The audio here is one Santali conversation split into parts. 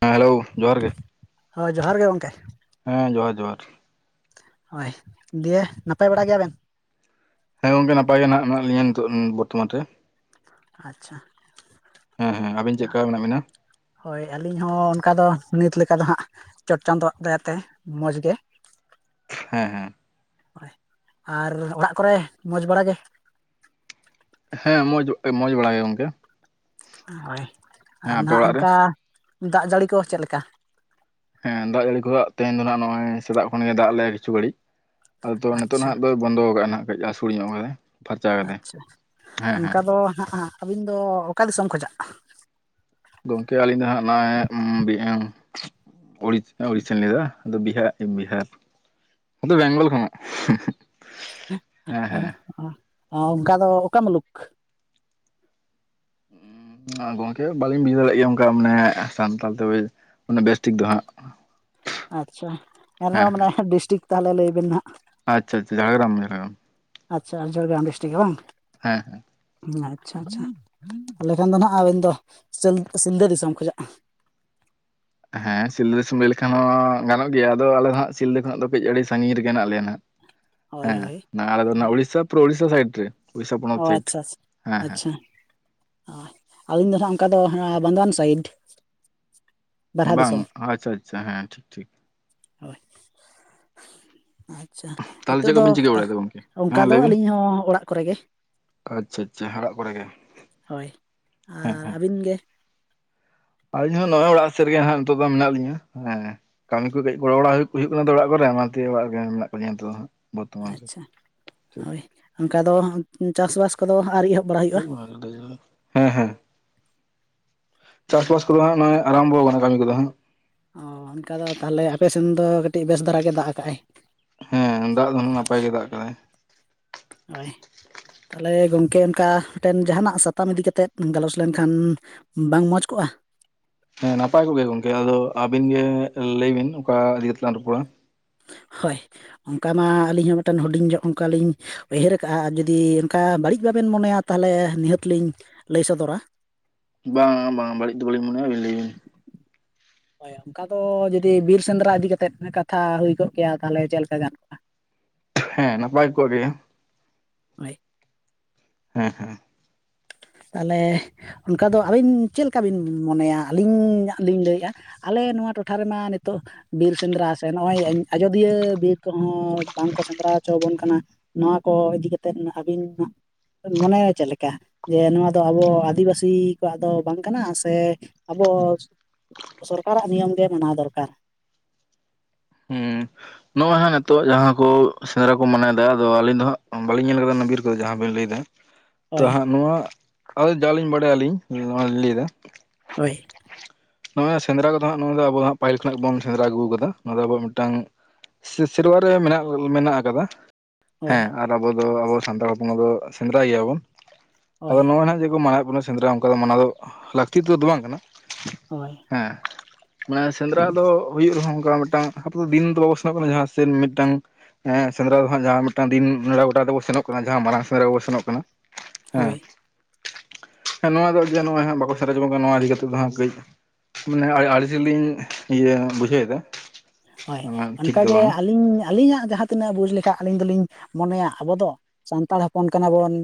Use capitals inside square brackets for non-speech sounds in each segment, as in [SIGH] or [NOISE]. ᱦᱮᱸ ᱦᱮᱞᱳ ᱡᱚᱦᱟᱨ ᱜᱮ ᱦᱳᱭ ᱡᱚᱦᱟᱨ ᱜᱮ ᱜᱚᱝᱠᱮ ᱦᱮᱸ ᱡᱚᱦᱟᱨ ᱡᱚᱦᱟᱨ ᱦᱳᱭ ᱫᱤᱭᱮ ᱱᱟᱯᱟᱭ ᱵᱟᱲᱟ ᱜᱮᱭᱟᱵᱮᱱ‍? ᱦᱮᱸ ᱜᱚᱝᱠᱮ ᱱᱟᱯᱟᱭ ᱜᱮ ᱱᱟᱦᱟᱜ ᱢᱮᱱᱟᱜ ᱞᱤᱧᱟᱹ ᱱᱤᱛᱚᱜ ᱵᱚᱨᱛᱚᱢᱟᱱ ᱨᱮ ᱟᱪᱪᱷᱟ ᱦᱮᱸ ᱦᱮᱸ ᱟᱹᱵᱤᱱ ᱪᱮᱫ ᱞᱮᱠᱟ ᱢᱮᱱᱟᱜ ᱵᱤᱱᱟ ᱦᱳᱭ ᱟᱹᱞᱤᱧ ᱦᱚᱸ ᱚᱱᱠᱟᱫᱚ ᱱᱤᱛ ᱞᱮᱠᱟ ᱫᱚ ᱦᱟᱸᱜ ᱪᱚᱴ ᱪᱟᱸᱫᱳᱣᱟᱜ ᱫᱟᱭᱟᱛᱮ ᱢᱚᱡᱽᱜ ᱜᱮ ᱦᱮᱸ ᱦᱮᱸ ᱦᱳᱭ ᱟᱨ ᱚᱲᱟᱜ ᱠᱚᱨᱮ ᱢᱚᱡᱽ ᱵᱟᱲᱟ ᱜᱮ ᱦᱮᱸ ᱢᱚᱡᱽ ᱢᱚᱸᱡᱽ ᱵᱟᱲᱟ ᱜᱮ ᱜᱚᱝᱠᱮ ᱦᱳᱭ ᱦᱮᱸ ᱟᱨ ᱟᱯᱮ ᱱᱟᱦᱟᱜ ᱚᱲᱟᱜ ᱨᱮ ᱚᱱᱠᱟ ᱫᱟᱜ ᱡᱟᱹᱲᱤ ᱠᱚ ᱪᱮᱫᱞᱮᱠᱟ ᱦᱮᱸ ᱫᱟᱜ ᱡᱟᱹᱲᱤ ᱠᱚᱦᱚ ᱛᱮᱦᱮᱧ ᱫᱚ ᱱᱟᱦᱟᱜ ᱱᱚᱜᱼᱚᱭ ᱥᱮᱛᱟᱜ ᱠᱷᱚᱱ ᱮ ᱫᱟᱜ ᱞᱮᱭ ᱠᱤᱪᱷᱩ ᱜᱟᱹᱲᱤᱡ ᱟᱫᱚ ᱱᱤᱛᱚᱜ ᱟᱪᱪᱷᱟ ᱱᱟᱦᱟᱜ ᱫᱚ ᱵᱚᱱᱫᱚ ᱠᱟᱜ ᱱᱟᱜ ᱠᱟᱹᱡ ᱟᱹᱦᱥᱩᱲ ᱧᱚᱜ ᱠᱟᱫᱟᱭ ᱯᱷᱟᱨᱪᱟ ᱠᱟᱫᱟᱭ ᱟᱪᱪᱷᱟ ᱦᱮᱸ ᱦᱮᱸ ᱚᱱᱠᱟ ᱫᱚ ᱦᱟᱸᱜ ᱟᱹᱵᱤᱱ ᱫᱚ ᱚᱠᱟ ᱫᱤᱥᱚᱢ ᱠᱷᱚᱡᱟᱜᱼᱟ ᱜᱚᱝᱠᱮ ᱟᱹᱞᱤᱧ ᱫᱚ ᱦᱟᱸᱜ ᱱᱚᱜᱼᱚᱭ [UNINTELLIGIBLE] ᱩᱲᱤᱥ ᱩᱲᱤᱥᱥᱟᱧ ᱞᱟᱹᱭᱫᱟ ᱟᱫᱚ ᱵᱤᱦᱟᱜ ᱵᱤᱦᱟᱨ ᱤᱧᱫᱚ ᱵᱮᱝᱜᱚᱞ ᱠᱷᱚᱱᱟᱜ ᱦᱮᱸ [UNINTELLIGIBLE] ᱚ ᱚᱝᱠᱟ ᱫᱚ ᱚᱠᱟ ᱢᱩᱞᱩᱠ ᱦᱮᱸ ᱜᱚᱝᱠᱮ ᱵᱟᱞᱤᱧ ᱵᱩᱡᱷᱟᱹ ᱫᱟᱲᱮᱭᱟᱜ ᱜᱮᱭᱟ ᱚᱝᱠᱟ ᱢᱟᱱᱮ ᱥᱟᱱᱛᱟᱞ ᱛᱮ ᱚᱱᱮ ᱵᱮᱥ ᱴᱷᱤᱠ ᱫᱚ ᱦᱟᱸᱜ ᱟᱪᱪᱷᱟ ᱦᱮᱸ ᱮᱱᱨᱮᱦᱚᱸ ᱢᱟᱱᱮ ᱰᱤᱥᱴᱤᱠ ᱛᱟᱦᱚᱞᱮ ᱞᱟᱹᱭ ᱵᱤᱱ ᱦᱟᱸᱜ ᱟᱪᱪᱷᱟᱪᱪᱷᱟ ᱡᱷᱟᱲᱜᱨᱟᱢ ᱡᱟᱨᱜᱟᱢ ᱟᱪᱪᱷᱟ ᱡᱷᱟᱲᱜᱨᱟᱢ ᱰᱤᱥᱴᱨᱤᱠ ᱜᱮ ᱵᱟᱝ ᱦᱮᱸ ᱦᱮᱸ ᱟᱪᱪᱷᱟ ᱟᱪᱪᱷᱟ ᱛᱟᱦᱞᱮ ᱠᱷᱟᱱ ᱫᱚ ᱱᱟᱜ ᱟᱵᱮᱱ ᱫᱚ ᱥᱤᱞ ᱥᱤᱞᱫᱟᱹ ᱫᱤᱥᱚᱢ [UNINTELLIGIBLE] ᱦᱮᱸ ᱥᱤᱞᱫᱟᱹ ᱫᱤᱥᱚᱢ ᱞᱟᱹᱭ ᱞᱮᱠᱷᱟᱱ ᱦᱚᱸ ᱜᱟᱱᱚᱜ ᱜᱮᱭᱟ ᱟᱫᱚ ᱟᱞᱮ ᱫᱚ ᱦᱚᱸᱜ ᱥᱤᱞᱫᱟᱹ ᱠᱷᱱᱟᱜ ᱫᱚ ᱠᱟᱹᱡ ᱟᱹᱲᱤ ᱥᱟᱺᱜᱤᱧ ᱨᱮᱜᱮ ᱦᱮᱱᱟᱜ ᱞᱮᱭᱟ ᱱᱟᱦᱟᱜ [INAUDIBLE] ᱦᱮᱸ ᱦᱳᱭ ᱱᱟᱣᱟ ᱩᱲᱤᱥᱥᱟ ᱞᱩᱨᱳ ᱩᱲᱤᱥᱥᱟ ᱥᱟᱭᱰ ᱨᱮ ᱩᱲᱤᱥᱥᱟ ᱯᱚᱱᱚᱛ ᱚ ᱥᱟᱭᱤᱰ ᱟᱪᱪᱷᱟ ᱦᱮᱸ ᱟᱪᱪᱷᱟ ᱦᱮᱸ ᱟᱪᱪᱷᱟ ᱚ ᱟᱹᱞᱤᱧ ᱫᱚ ᱱᱟᱟᱜ ᱚᱱᱠᱟ ᱫᱚ ᱵᱟᱸᱫᱣᱟᱱ ᱥᱟᱭᱤᱰ ᱵᱟᱨᱦᱟ ᱵᱟᱝ ᱫᱤᱥᱚᱢ ᱟᱪᱪᱷᱟ ᱟᱪᱪᱷᱟ ᱦᱮᱸ ᱴᱷᱤᱠ ᱴᱷᱤᱠ ᱦᱳᱭ [INAUDIBLE] ᱟᱪᱪᱷᱟ ᱛᱟᱦᱚᱞᱮ ᱱᱤᱛᱚᱜ ᱪᱮᱫ ᱫᱚ ᱠᱚᱵᱤᱱ ᱪᱤᱠᱟᱹ ᱵᱟᱲᱟᱭᱮᱫᱟ ᱜᱚᱝᱠᱮ ᱚᱱᱠᱟ ᱦᱮᱸ ᱫᱚ ᱞᱟᱹᱭ ᱵᱤᱱ ᱟᱹᱞᱤᱧ ᱦᱚᱸ ᱚᱲᱟᱜ ᱠᱚᱨᱮ ᱜᱮ ᱟᱪᱪᱷᱟ ᱟᱪᱪᱷᱟ ᱚᱲᱟᱜ ᱠᱚᱨᱮ ᱜᱮ ᱦᱳᱭ ᱦᱮᱸ ᱟᱨ ᱦᱮᱸ ᱟᱹᱵᱤᱱ ᱜᱮ ᱟᱹᱞᱤᱧ ᱦᱚᱸ ᱱᱚᱜ-ᱚᱭ ᱚᱲᱟᱜ ᱥᱮᱫ ᱨᱮᱜᱮ ᱦᱟᱸᱜ ᱱᱤᱛᱚᱜ ᱫᱚ ᱢᱮᱱᱟᱜ ᱞᱤᱧᱟ ᱦᱮᱸ ᱠᱟᱹᱢᱤ ᱠᱚ ᱠᱟᱹᱡ ᱜᱚᱲᱚ ᱵᱟᱲᱟ ᱦᱩᱭᱩᱜ ᱠᱟᱱᱟ ᱛᱚ ᱚᱲᱟᱜ ᱠᱚᱨᱮ ᱚᱱᱟ ᱠᱷᱟᱹᱛᱤᱨ ᱚᱲᱟᱜ ᱨᱮ ᱢᱮᱱᱟᱜ ᱟᱠᱟᱫᱤᱧᱟᱹ ᱱᱤᱛᱚᱜ ᱫᱚ ᱵᱚᱨᱛᱚᱢᱟᱱ ᱨᱮ ᱟᱪᱪᱷᱟ ᱴᱷᱤᱠ ᱦᱳᱭ ᱚᱱᱠᱟ ᱫᱚ ᱪᱟᱥᱵᱟᱥ ᱠᱚᱫᱚ ᱟᱨᱤ ᱮᱦᱚᱵ ᱵᱟᱲᱟ ᱦᱩᱭᱩᱜ-ᱟ ᱦᱮᱸ ᱦᱮᱸ ᱪᱟᱥᱵᱟᱥ ᱠᱚᱫᱚ ᱦᱟᱸᱜ ᱱᱚᱜᱚᱭ ᱟᱨᱟᱢᱵᱚ ᱟᱠᱟᱱᱟ ᱠᱟᱹᱢᱤ ᱠᱚᱫᱚ ᱦᱟᱸᱜ ᱚᱻᱚᱱᱠᱟ ᱫᱚ ᱛᱟᱦᱚᱞᱮ ᱟᱯᱮ ᱥᱮᱱ ᱫᱚ ᱠᱟᱹᱴᱤᱡ ᱵᱮᱥ ᱫᱷᱟᱨᱟ ᱜᱮ ᱫᱟᱜ ᱟᱠᱟᱜᱼᱟᱭ ᱦᱮᱸ ᱫᱟᱜ ᱫᱚ ᱱᱟᱯᱟᱭ ᱜᱮ ᱫᱟᱜ ᱠᱟᱫᱟᱭ ᱦᱳᱭ ᱛᱟᱦᱚᱞᱮ ᱜᱚᱢᱠᱮ ᱚᱱᱠᱟ ᱢᱤᱫᱴᱮᱱ ᱡᱟᱦᱟᱱᱟᱜ ᱥᱟᱛᱟᱢ ᱤᱫᱤ ᱠᱟᱛᱮᱫ ᱜᱟᱞᱚᱪ ᱞᱮᱱᱠᱷᱟᱱ ᱵᱟᱝ ᱢᱚᱡᱽ ᱠᱚᱜᱼᱟ ᱦᱮᱸ ᱱᱟᱯᱟᱭ ᱠᱚᱜᱮ ᱜᱚᱝᱠᱮ ᱟᱫᱚ ᱟᱹᱵᱤᱱ ᱜᱮ ᱞᱟᱹᱭ ᱵᱤᱱ ᱚᱠᱟ ᱤᱫᱤ ᱠᱟᱛᱮᱞᱟᱝ ᱨᱚᱯᱚᱲᱟ ᱦᱳᱭ ᱚᱱᱠᱟ ᱢᱟ ᱟᱹᱞᱤᱧ ᱦᱚᱸ ᱢᱤᱫᱴᱮᱱ ᱦᱩᱰᱤᱧ ᱧᱚᱜ ᱚᱱᱠᱟᱞᱤᱧ ᱩᱭᱦᱟᱹᱨ ᱠᱟᱜ-ᱟ ᱟᱨ ᱡᱩᱫᱤ ᱚᱱᱠᱟ ᱵᱟᱹᱲᱤᱡ ᱵᱟᱵᱮᱱ ᱢᱚᱱᱮᱭᱟ ᱛᱟᱦᱚᱞᱮ ᱱᱤᱦᱟᱹᱛ ᱞᱤᱧ ᱞᱟᱹᱭ ᱥᱚᱫᱚᱨᱟ ᱵᱟᱝ ᱵᱟᱝ ᱵᱟᱹᱲᱤᱡ ᱫᱚ ᱵᱟᱞᱤᱧ ᱢᱚᱱᱮᱭᱟ ᱞᱟᱹᱭ ᱵᱤᱱ ᱦᱳᱭ ᱚᱱᱠᱟ ᱫᱚ ᱡᱩᱫᱤ ᱵᱤᱨ ᱥᱮᱸᱫᱽᱨᱟ ᱤᱫᱤ ᱠᱟᱛᱮᱫ ᱠᱟᱛᱷᱟ ᱦᱩᱭ ᱠᱚᱜ ᱠᱮᱭᱟ ᱛᱟᱦᱚᱞᱮ ᱪᱮᱫ ᱞᱮᱠᱟ ᱜᱟᱱ ᱦᱮᱸ ᱱᱟᱯᱟᱭ ᱠᱚᱜ ᱜᱮ ᱦᱳᱭ ᱦᱮᱸ ᱦᱮᱸ ᱛᱟᱦᱚᱞᱮ ᱚᱱᱠᱟ ᱫᱚ ᱟᱹᱵᱤᱱ ᱪᱮᱫᱠᱟ ᱵᱤᱱ ᱢᱚᱱᱮᱭᱟ ᱟᱹᱞᱤᱧᱟᱜ ᱞᱤᱧ ᱞᱟᱹᱭᱮᱫ-ᱟ ᱟᱞᱮ ᱱᱚᱣᱟ ᱴᱚᱴᱷᱟ ᱨᱮᱢᱟ ᱱᱤᱛᱳᱜ ᱵᱤᱨ ᱥᱮᱸᱫᱽᱨᱟ ᱥᱮ ᱱᱚᱜ-ᱚᱭ ᱟᱡᱳᱫᱤᱭᱟᱹ ᱵᱤᱨ ᱠᱚᱦᱚᱸ ᱵᱟᱝᱠᱚ ᱥᱮᱸᱫᱽᱨᱟ ᱦᱚᱪᱚᱣᱟᱵᱚᱱ ᱠᱟᱱᱟ ᱱᱚᱣᱟ ᱠᱚ ᱤᱫᱤ ᱠᱟᱛᱮᱫ ᱟᱹᱵᱤᱱ ᱢᱚᱱᱮᱭᱟ ᱪᱮᱫ ᱞᱮᱠᱟ ᱡᱮ ᱱᱚᱣᱟ ᱫᱚ ᱟᱵᱚ ᱟᱹᱫᱤᱵᱟᱹᱥᱤ ᱠᱚᱣᱟᱜ ᱫᱚ ᱵᱟᱝ ᱠᱟᱱᱟ ᱥᱮ ᱟᱵᱚ ᱥᱚᱨᱠᱟᱨᱟᱜ ᱱᱤᱭᱚᱢ ᱜᱮ ᱢᱟᱱᱟᱣ ᱫᱚᱨᱠᱟᱨ ᱦᱩ ᱱᱚᱜ-ᱚᱭ ᱦᱟᱜ ᱱᱤᱛᱚᱜ ᱡᱟᱦᱟᱸ ᱠᱚ ᱥᱮᱸᱫᱽᱨᱟ ᱠᱚ ᱢᱟᱱᱟᱭᱮᱫᱟ ᱟᱫᱚ ᱟᱹᱞᱤᱧ ᱫᱚ ᱦᱟᱸᱜ ᱵᱟᱞᱤᱧ ᱧᱮᱞ ᱟᱠᱟᱫᱟ ᱵᱤᱨ ᱠᱚᱫᱚ ᱡᱟᱦᱟᱸ ᱵᱤᱱ ᱞᱟᱹᱭ ᱮᱫᱟ ᱛᱚ ᱦᱳᱭ ᱦᱟᱸᱜ ᱱᱚᱣᱟ ᱟᱫᱚ ᱡᱟᱹ ᱞᱤᱧ ᱵᱟᱲᱟᱭᱞᱤᱧ ᱱᱚᱣᱟ ᱞᱤᱧ ᱞᱟᱹᱭᱫᱟ ᱦᱳᱭ ᱱᱚᱜ-ᱚᱭ ᱥᱮᱸᱫᱽᱨᱟ ᱠᱚᱫᱚ ᱦᱟᱸᱜ ᱱᱚᱣᱟ ᱫᱚ ᱟᱵᱚ ᱦᱟᱸᱜ ᱯᱟᱹᱦᱤᱞ ᱠᱷᱚᱱᱟᱜ ᱵᱚᱱ ᱥᱮᱸᱫᱽᱨᱟ ᱟᱹᱜᱩ ᱠᱟᱫᱟ ᱱᱚᱣᱟ ᱫᱚ ᱟᱵᱚ ᱢᱤᱫᱴᱟᱝ ᱥᱮ ᱥᱮᱨᱣᱟ ᱨᱮ ᱢᱮᱱᱟᱜ ᱢᱮᱱᱟᱜ ᱟᱠᱟᱫᱟ ᱦᱳᱭ ᱦᱮᱸ ᱟᱨ ᱟᱵᱚ ᱫᱚ ᱟᱵᱚ ᱥᱟᱱᱛᱟᱲ ᱦᱚᱯᱚᱱ ᱠᱚᱫᱚ ᱥᱮᱸᱫᱽᱨᱟᱭ ᱜᱮᱭᱟᱵᱚᱱ ᱦᱳᱭ ᱟᱫᱚ ᱱᱚᱜ-ᱚᱭ ᱡᱮ ᱠᱚ ᱢᱟᱱᱟᱣᱮᱫ ᱵᱚᱱᱟ ᱥᱮ ᱥᱮᱸᱫᱽᱨᱟ ᱚᱱᱠᱟ ᱫᱚ ᱢᱟᱱᱟ ᱫᱚ ᱞᱟᱹᱠᱛᱤ ᱛᱮᱫᱚ ᱵᱟᱝ ᱠᱟᱱᱟ ᱦᱳᱭ ᱦᱮᱸ ᱢᱟᱱᱮ ᱥᱮᱸᱫᱽᱨᱟ ᱫᱚ ᱦᱩᱭᱩᱜ ᱨᱮᱦᱚᱸ ᱚᱱᱠᱟ ᱢᱤᱫ ᱴᱟᱝ ᱟᱵᱚ ᱫᱤᱱ ᱫᱚ ᱵᱟᱵᱚᱱ ᱥᱮᱱᱚᱜ ᱠᱟᱱᱟ ᱡᱟᱦᱟᱸ ᱥᱮᱫ ᱢᱤᱫᱴᱟᱝ ᱮᱸ ᱥᱮᱸᱫᱽᱨᱟ ᱫᱚ ᱦᱟᱸᱜ ᱡᱟᱦᱟᱸ ᱢᱤᱫᱴᱟᱝ ᱫᱤᱱ ᱱᱮᱰᱟ ᱜᱚᱴᱟ ᱠᱟᱛᱮᱵᱚᱱ ᱥᱮᱱᱚᱜ ᱠᱟᱱᱟ ᱡᱟᱦᱟᱸ ᱢᱟᱨᱟᱝ ᱥᱮᱸᱫᱽᱨᱟ ᱠᱚᱵᱚ ᱥᱮᱱᱚᱜ ᱠᱟᱱᱟ ᱦᱮᱸ ᱦᱳᱭ ᱦᱮᱸ ᱱᱚᱣᱟ ᱫᱚ ᱱᱚᱜ-ᱚᱭ ᱦᱟᱸᱜ ᱵᱟᱠᱚ ᱥᱮᱫᱨᱟ ᱦᱚᱪᱚ ᱠᱟᱱᱟ ᱱᱚᱣᱟ ᱤᱫᱤ ᱠᱟᱛᱮᱜ ᱫᱚ ᱦᱟᱸᱜ ᱠᱟᱹᱡ ᱢᱟᱱᱮ ᱟᱲᱤᱥ ᱜᱮᱞᱤᱧ ᱤᱭᱟᱹ ᱵᱩᱡᱷᱟᱹᱣ ᱫᱟ ᱦᱳᱭ ᱚᱱᱠᱟᱜᱮ ᱟᱹᱞᱤᱧ ᱟᱹᱞᱤᱧᱟᱜ ᱡᱟᱦᱟᱸ ᱛᱤᱱᱟᱹᱜ ᱵᱩᱡᱽ ᱞᱮᱠᱷᱟᱜ ᱟᱹᱞᱤᱧ ᱫᱚᱞᱤᱧ ᱢᱚᱱᱮᱭᱟ ᱟᱵᱚ ᱫᱚ ᱥᱟᱱᱛᱟᱲ ᱦᱚᱯᱚᱱ ᱠᱟᱱᱟ ᱵᱚᱱ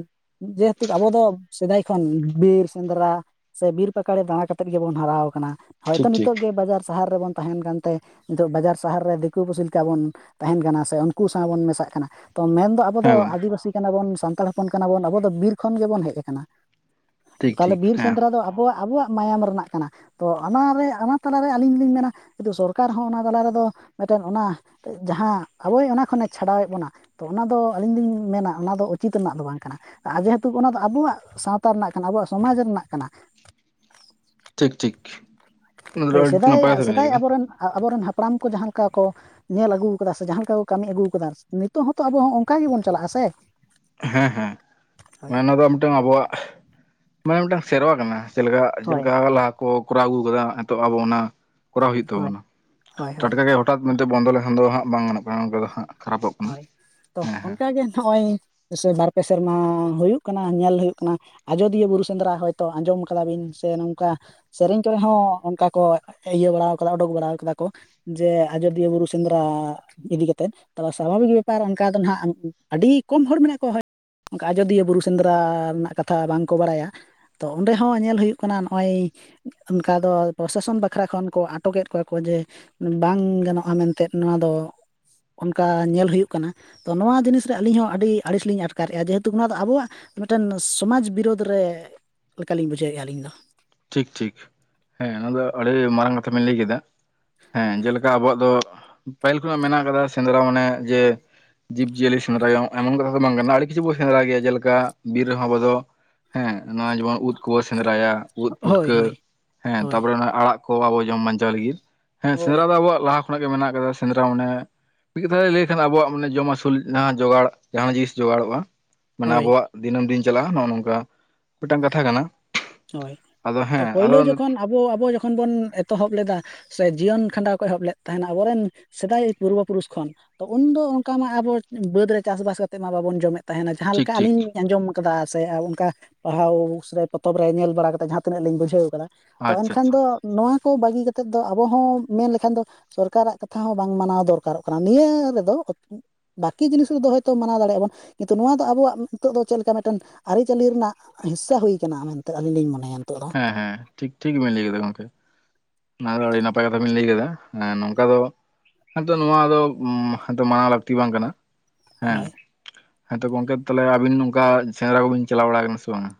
ᱡᱮᱦᱮᱛᱩ ᱟᱵᱚ ᱫᱚ ᱥᱮᱫᱟᱭ ᱠᱷᱚᱱ ᱵᱤᱨ ᱥᱮᱸᱫᱽᱨᱟ ᱥᱮ ᱵᱤᱨ ᱯᱟᱠᱟᱲᱮ ᱫᱟᱬᱟ ᱠᱟᱛᱮᱫ ᱜᱮᱵᱚᱱ ᱦᱟᱨᱟᱣ ᱠᱟᱱᱟ ᱦᱚᱭᱛᱳ ᱴᱷᱤᱠ ᱴᱷᱤᱠ ᱱᱤᱛᱚᱜ ᱜᱮ ᱵᱟᱡᱟᱨ ᱥᱟᱦᱟᱨ ᱨᱮᱵᱚᱱ ᱛᱟᱦᱮᱱ ᱠᱟᱱᱛᱮ ᱱᱤᱛᱚᱜ ᱵᱟᱡᱟᱨ ᱥᱟᱦᱟᱨ ᱨᱮ ᱫᱤᱠᱩ ᱯᱩᱥᱤ ᱞᱮᱠᱟ ᱵᱚᱱ ᱛᱟᱦᱮᱱ ᱠᱟᱱᱟ ᱥᱮ ᱩᱱᱠᱩ ᱥᱟᱶ ᱵᱚᱱ ᱢᱮᱥᱟᱜ ᱠᱟᱱᱟ ᱛᱚ ᱢᱮᱱᱫᱚ ᱟᱵᱚ ᱦᱮᱸ ᱫᱚ ᱜᱚᱝᱠᱮ ᱟᱹᱫᱤᱵᱟᱹᱥᱤ ᱠᱟᱱᱟ ᱵᱚᱱ ᱥᱟᱱᱛᱟᱲ ᱦᱚᱯᱚᱱ ᱠᱟᱱᱟᱵᱚᱱ ᱟᱵᱚ ᱫᱚ ᱵᱤᱨ ᱠᱷᱚᱱ ᱜᱮᱵᱚᱱ ᱦᱮᱡ ᱠᱟᱱᱟ ᱴᱷᱤᱠ ᱛᱟᱦᱞᱮ ᱴᱷᱤᱠ ᱵᱤᱨ ᱦᱮᱸ ᱥᱮᱸᱫᱽᱨᱟ ᱫᱚ ᱟᱵᱚᱣᱟᱜ ᱟᱵᱚᱣᱟᱜ ᱢᱟᱭᱟᱢ ᱨᱮᱱᱟᱜ ᱠᱟᱱᱟ ᱛᱚ ᱚᱱᱟᱨᱮ ᱚᱱᱟ ᱛᱟᱞᱟᱨᱮ ᱟᱹᱞᱤᱧ ᱞᱤᱧ ᱢᱮᱱᱟ ᱥᱚᱨᱠᱟᱨ ᱦᱚᱸ ᱚᱱᱟ ᱛᱟᱞᱟ ᱨᱮᱫᱚ ᱢᱤᱫᱴᱮᱱ ᱚᱱᱟ ᱡᱟᱦᱟᱸ ᱟᱵᱚᱭ ᱚᱱᱟ ᱠᱷᱚᱱᱮ ᱪᱷᱟᱰᱟᱣᱮᱫ ᱵᱚᱱᱟ ᱛᱚ ᱚᱱᱟ ᱫᱚ ᱟᱹᱞᱤᱧ ᱞᱤᱧ ᱢᱮᱱᱟ ᱚᱱᱟ ᱫᱚ ᱩᱪᱤᱛ ᱨᱮᱱᱟᱜ ᱫᱚ ᱵᱟᱝ ᱠᱟᱱᱟ ᱟᱨ ᱡᱮᱦᱮᱛᱩ ᱚᱱᱟ ᱫᱚ ᱟᱵᱚᱣᱟᱜ ᱥᱟᱶᱛᱟ ᱨᱮᱱᱟᱜ ᱠᱟᱱᱟ ᱟᱵᱚᱣᱟᱜ ᱥᱚᱢᱟᱡᱽ ᱨᱮᱱᱟᱜ ᱠᱟᱱᱟ ᱴᱷᱤᱠ ᱴᱷᱤᱠ ᱚᱱᱟ ᱫᱚ ᱦᱳᱭ ᱟᱹᱰᱤ ᱥᱮᱫᱟᱭ ᱱᱟᱯᱟᱭ ᱠᱟᱛᱷᱟ ᱵᱮᱱ ᱞᱟᱹᱭ ᱥᱮᱫᱟᱭ ᱠᱮᱫᱟ ᱟᱵᱚᱨᱮᱱ ᱟᱵᱚᱨᱮᱱ ᱦᱟᱯᱲᱟᱢ ᱠᱚ ᱡᱟᱦᱟᱸ ᱞᱮᱠᱟ ᱠᱚ ᱧᱮᱞ ᱟᱹᱜᱩ ᱠᱟᱫᱟ ᱥᱮ ᱡᱟᱦᱟᱸ ᱞᱮᱠᱟ ᱠᱚ ᱠᱟᱹᱢᱤ ᱟᱹᱜᱩ ᱠᱟᱫᱟ ᱱᱤᱛᱚᱜ ᱦᱚᱸᱛᱚ ᱟᱵᱚ ᱦᱚᱸ ᱚᱱᱠᱟ ᱜᱮᱵᱚᱱ ᱪᱟᱞᱟᱜᱼᱟ ᱥᱮ ᱦᱮᱸ ᱦᱮᱸ ᱦᱳᱭ ᱢᱟᱱᱮ ᱚᱱᱟ ᱫᱚ ᱢᱤᱫᱴᱟᱝ ᱟᱵᱚᱣᱟᱜ ᱢᱟᱱᱮ ᱢᱤᱫᱴᱟᱝ ᱥᱮᱨᱣᱟ ᱠᱟᱱᱟ ᱪᱮᱫ ᱞᱮᱠᱟ ᱪᱮᱫ ᱦᱳᱭ ᱞᱮᱠᱟ ᱞᱟᱦᱟ ᱠᱚ ᱠᱚᱨᱟᱣ ᱟᱹᱜᱩ ᱟᱠᱟᱫᱟ ᱱᱤᱛᱚᱜ ᱟᱵᱚ ᱚᱱᱟ ᱠᱚᱨᱟᱣ ᱦᱩᱭᱩᱜ ᱦᱳᱭ ᱛᱟᱵᱚᱱᱟ ᱦᱳᱭ ᱴᱟᱴᱠᱟ ᱜᱮ ᱦᱚᱴᱟᱛ ᱢᱮᱱᱛᱮ ᱵᱚᱱᱫᱚ ᱞᱮᱠᱷᱟᱱ ᱫᱚ ᱦᱟᱸᱜ ᱵᱟᱝ ᱜᱟᱱᱚᱜ ᱠᱟᱱᱟ ᱚᱱᱠᱟ ᱫᱚ ᱦᱟᱸᱜ ᱠᱷᱟᱨᱟᱯᱚᱜ ᱠᱟᱱᱟ ᱦᱳᱭ ᱛᱚ ᱦᱮᱸ ᱦᱮᱸ ᱚᱱᱠᱟᱜᱮ ᱱᱚᱜ-ᱚᱭ ᱵᱟᱨᱯᱮ ᱥᱮᱨᱢᱟ ᱦᱩᱭᱩᱜ ᱠᱟᱱᱟ ᱧᱮᱞ ᱦᱩᱭᱩᱜ ᱠᱟᱱᱟ ᱟᱡᱚᱫᱤᱭᱟᱹ ᱵᱩᱨᱩ ᱥᱮᱸᱫᱽᱨᱟ ᱦᱚᱭᱛᱚ ᱟᱸᱡᱚᱢ ᱠᱟᱫᱟ ᱵᱤᱱ ᱥᱮ ᱱᱚᱝᱠᱟ ᱥᱮᱨᱮᱧ ᱠᱚᱨᱮ ᱦᱚᱸ ᱚᱱᱠᱟ ᱠᱚ ᱤᱭᱟᱹ ᱵᱟᱲᱟ ᱠᱟᱫᱟ ᱩᱰᱩᱠ ᱵᱟᱲᱟ ᱠᱟᱫᱟ ᱠᱚ ᱡᱮ ᱟᱡᱚᱫᱤᱭᱟᱹ ᱵᱩᱨᱩ ᱥᱮᱸᱫᱽᱨᱟ ᱤᱫᱤ ᱠᱟᱛᱮᱫ ᱛᱚ ᱥᱟᱵᱷᱟᱵᱤᱠ ᱵᱮᱯᱟᱨ ᱚᱱᱠᱟ ᱫᱚ ᱱᱟᱦᱟᱜ ᱟᱹᱰᱤ ᱠᱚᱢ ᱦᱚᱲ ᱢᱮᱱᱟᱜ ᱠᱚᱣᱟ ᱦᱚᱭ ᱚᱱᱠᱟ ᱟᱡᱚᱫᱤᱭᱟᱹ ᱵᱩᱨᱩ ᱥᱮᱸᱫᱽᱨᱟ ᱨᱮᱱᱟᱜ ᱠᱟᱛᱷᱟ ᱵᱟᱝ ᱠᱚ ᱵᱟᱲᱟᱭᱟ ᱛᱚ ᱚᱸᱰᱮ ᱦᱟᱸ ᱧᱮᱞ ᱦᱩᱭᱩᱜ ᱠᱟᱱᱟ ᱱᱚᱜᱼᱚᱭ᱾ ᱚᱱᱠᱟ ᱫᱚ ᱯᱨᱚᱥᱟᱥᱚᱱ ᱵᱟᱠᱷᱨᱟ ᱠᱷᱚᱱ ᱠᱚ ᱟᱴᱚᱠᱮᱫ ᱠᱚᱣᱟ ᱠᱚ ᱡᱮ ᱵᱟᱝ ᱜᱟᱱᱚᱜᱼᱟ ᱢᱮᱱᱛᱮ ᱱᱚᱣᱟ ᱫᱚ ᱚᱱᱠᱟ ᱧᱮᱞ ᱦᱩᱭᱩᱜ ᱠᱟᱱᱟ ᱛᱚ ᱱᱚᱣᱟ ᱡᱤᱱᱤᱥ ᱨᱮ ᱟᱹᱞᱤᱧ ᱦᱚᱸ ᱟᱹᱰᱤ ᱟᱹᱲᱤᱥ ᱞᱤᱧ ᱟᱴᱠᱟᱨᱮᱜᱼᱟ ᱡᱮᱦᱮᱛᱩ ᱚᱱᱟ ᱫᱚ ᱟᱵᱚᱣᱟᱜ ᱢᱤᱫᱴᱮᱱ ᱥᱚᱢᱟᱡᱽ ᱵᱤᱨᱳᱫᱷ ᱨᱮ ᱞᱮᱠᱟ ᱞᱤᱧ ᱵᱩᱡᱷᱟᱹᱣᱮᱫᱼᱟ ᱟᱹᱞᱤᱧ ᱫᱚ ᱴᱷᱤᱠ ᱴᱷᱤᱠ ᱦᱮᱸ ᱚᱱᱟ ᱫᱚ ᱟᱹᱰᱤ ᱢᱟᱨᱟᱝ ᱠᱟᱛᱷᱟ ᱵᱤᱱ ᱞᱟᱹᱭ ᱠᱮᱫᱟ ᱦᱮᱸ ᱡᱮᱞᱮᱠᱟ ᱟᱵᱚᱣᱟᱜ ᱫᱚ ᱯᱟᱹᱦᱤᱞ ᱠᱷᱚᱱᱟᱜ ᱢᱮᱱᱟᱜ ᱟᱠᱟᱫᱟ ᱥᱮᱸᱫᱽᱨᱟ ᱢᱟᱱᱮ ᱡᱮ ᱡᱤᱵᱽ ᱡᱤᱭᱟᱹᱞᱤ ᱥᱮᱸᱫᱽᱨᱟᱭ ᱮᱢᱚᱱ ᱠᱟᱛᱷᱟ ᱫᱚ ᱵᱟᱝ ᱠᱟᱱᱟ ᱟᱹᱰᱤ ᱠᱤᱪᱷᱩ ᱵᱚᱱ ᱥᱮᱸᱫᱽᱨᱟ ᱜᱮᱭᱟ ᱡᱮᱞᱮᱠᱟ ᱵᱤᱨ ᱨᱮᱦᱚᱸ ᱟᱵᱚ ᱫᱚ ᱦᱮᱸ ᱱᱚᱣᱟ ᱡᱮᱢᱚᱱ ᱩᱫᱽ ᱠᱚᱵᱚ ᱥᱮᱸᱫᱽᱨᱟᱭᱟ ᱩᱫ ᱦᱳᱭ ᱯᱩᱴᱠᱟᱹ ᱦᱳᱭ ᱦᱮᱸ ᱦᱳᱭ ᱛᱟᱯᱚᱨᱮ ᱚᱱᱟ ᱟᱲᱟᱜ ᱠᱚ ᱟᱵᱚ ᱡᱚᱢ ᱵᱟᱧᱟᱣ ᱞᱟᱹᱜᱤᱫ ᱦᱮᱸ ᱦᱳᱭ ᱥᱮᱸᱫᱽᱨᱟ ᱫᱚ ᱟᱵᱚᱣᱟᱜ ᱞᱟᱦᱟ ᱠᱷᱚᱱᱟᱜ ᱜᱮ ᱢᱮᱱᱟᱜ ᱟᱠᱟᱫᱟ ᱥᱮᱸᱫᱽᱨᱟ ᱢᱟᱱᱮ ᱢᱤᱫ ᱠᱟᱛᱷᱟᱭ ᱞᱟᱹᱭ ᱠᱷᱟᱱ ᱟᱵᱚᱣᱟᱜ ᱢᱟᱱᱮ ᱡᱚᱢ ᱟᱹᱥᱩᱞ ᱡᱟᱦᱟᱸ ᱡᱚᱜᱟᱲ ᱡᱟᱦᱟᱸ ᱡᱤᱱᱤᱥ ᱡᱚᱜᱟᱲᱚᱜᱼᱟ᱾ ᱢᱟᱱᱮ ᱦᱳᱭ ᱟᱵᱚᱣᱟᱜ ᱫᱤᱱᱟᱹᱢ ᱫᱤᱱ ᱪᱟᱞᱟᱜᱼᱟ ᱱᱚᱜᱼᱚ ᱱᱚᱝᱠᱟ ᱢᱤᱫᱴᱟᱝ ᱠᱟᱛᱷᱟ ᱠᱟᱱᱟ᱾ ᱦᱳᱭ ᱟᱫᱚ ᱛᱚ ᱦᱮᱸ ᱯᱳᱭᱞᱳ ᱟᱫᱚ ᱡᱚᱠᱷᱚᱱ ᱟᱵᱚ ᱟᱵᱚ ᱡᱚᱠᱷᱚᱱ ᱵᱚᱱ ᱮᱛᱚᱦᱚᱵ ᱞᱮᱫᱟ᱾ ᱥᱮ ᱡᱤᱭᱚᱱ ᱠᱷᱟᱸᱰᱟᱣ ᱠᱚ ᱮᱦᱚᱵ ᱞᱮᱫ ᱛᱟᱦᱮᱱᱟ ᱟᱵᱚᱨᱮᱱ᱾ ᱥᱮᱫᱟᱭ ᱯᱩᱨᱵᱚ ᱯᱩᱨᱩᱥ ᱠᱷᱚᱱ ᱛᱚ ᱩᱱᱫᱚ ᱚᱱᱠᱟ ᱢᱟ ᱟᱵᱚ ᱵᱟᱹᱫᱽ ᱨᱮ ᱪᱟᱥᱼᱵᱟᱥ ᱠᱟᱛᱮᱜ ᱢᱟ ᱵᱟᱵᱚᱱ ᱡᱚᱢᱮᱫ ᱛᱟᱦᱮᱱᱟ ᱡᱟᱦᱟᱸ ᱴᱷᱤᱠ ᱞᱮᱠᱟ ᱴᱷᱤᱠ ᱟᱹᱞᱤᱧ ᱟᱸᱡᱚᱢ ᱠᱟᱫᱟ ᱥᱮ ᱚᱱᱠᱟ ᱯᱟᱲᱦᱟᱣ ᱥᱮ ᱵᱟ ᱯᱚᱛ ᱛᱚᱵ ᱨᱮ ᱧᱮᱞ ᱵᱟᱲᱟ ᱠᱟᱛᱮ ᱡᱟᱦᱟᱸ ᱛᱤᱱᱟᱹᱜ ᱞᱤᱧ ᱵᱩᱡᱷᱟᱹᱣ ᱠᱟᱫᱟ ᱛᱚ ᱟᱪᱪᱷᱟ ᱮᱱᱠᱷᱟᱱ ᱟᱪᱪᱷᱟ ᱫᱚ ᱱᱚᱣᱟ ᱠᱚ ᱵᱟᱹᱜᱤ ᱠᱟᱛᱮᱫ ᱫᱚ ᱟᱵᱚ ᱦᱚᱸ ᱢᱮᱱ ᱞᱮᱠᱷᱟᱱ ᱫᱚ ᱥᱚᱨᱠᱟᱨᱟᱜ ᱠᱟᱛᱷᱟ ᱦᱚᱸ ᱵᱟᱝ ᱢᱟᱱᱟᱣ ᱫᱚᱨᱠᱟᱨᱚᱜ ᱠᱟᱱᱟ ᱱᱤᱭᱟᱹ ᱨᱮ ᱫᱚ᱾ ᱵᱟᱠᱤ ᱡᱤᱱᱤᱥ ᱨᱮᱫᱚ ᱦᱚᱭᱛᱚ ᱢᱟᱱᱟᱣ ᱫᱟᱲᱮᱭᱟᱜᱼᱟ ᱵᱚᱱ᱾ ᱠᱤᱱᱛᱩ ᱱᱚᱣᱟ ᱫᱚ ᱟᱵᱚᱣᱟᱜ ᱱᱤᱛᱚᱜ ᱫᱚ ᱪᱮᱞᱠᱟ ᱢᱤᱫᱴᱮᱱ ᱟᱹᱨᱤᱼᱪᱟᱹᱞᱤ ᱨᱮᱱᱟᱜ ᱦᱤᱥᱥᱟ ᱦᱩᱭ ᱠᱟᱱᱟ ᱢᱮᱱᱛᱮ ᱟᱹᱞᱤᱧ ᱞᱤᱧ ᱢᱚᱱᱮᱭᱟ ᱱᱤᱛᱚᱜ ᱫᱚ᱾ ᱮᱸ ᱦᱮᱸ ᱴᱷᱤᱠ ᱴᱷᱤᱠ ᱵᱤᱱ ᱞᱟᱹᱭ ᱠᱮᱫᱟ ᱜᱚᱝᱠᱮ᱾ ᱚᱱᱟ ᱫᱚ ᱟᱹᱰᱤ ᱱᱟᱯᱟᱭ ᱠᱟᱛᱷᱟ ᱵᱤᱱ ᱞᱟᱹᱭ ᱠᱟᱫᱟ ᱟᱸ ᱱᱚᱝᱠᱟ ᱫᱚ ᱦᱮᱸᱛᱚ ᱱᱚᱣᱟ ᱫᱚ ᱩᱢ ᱦᱮ ᱛᱚ ᱢᱟᱱᱟᱣ ᱞᱟᱹᱠᱛᱤ ᱵᱟᱝ ᱠᱟᱱᱟ᱾ ᱦᱮᱸ ᱦᱳᱭ ᱦᱮᱸᱛᱚ ᱜᱚᱝᱠᱮ ᱛᱟᱦᱚᱞᱮ ᱟᱹᱵᱤᱱ ᱱᱚᱝᱠᱟ ᱥᱮᱸᱫᱽᱨᱟ ᱠᱚᱵᱤᱱ ᱪᱟᱞᱟᱣ ᱵᱟᱲᱟ ᱟᱠᱟᱱᱟ ᱥᱮ ᱵᱟᱝᱟ?